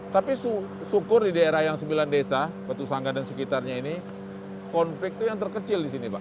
tapi syukur di daerah yang sembilan desa petusangga dan sekitarnya ini konflik itu yang terkecil di sini pak